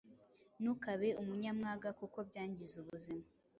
Ntukabe umunyamwaga kuko byangiza ubuzima